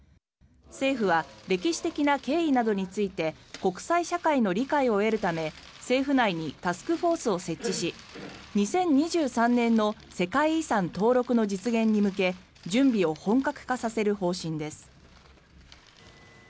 政府は歴史的な経緯などについて国際社会の理解を得るため政府内にタスクフォースを設置し２０２３年の世界遺産登録の実現に向け準備を本格化させる方針です。